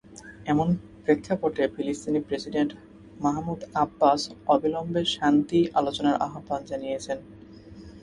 এমন প্রেক্ষাপটে ফিলিস্তিনি প্রেসিডেন্ট মাহমুদ আব্বাস অবিলম্বে শান্তি আলোচনার আহ্বান জানিয়েছেন।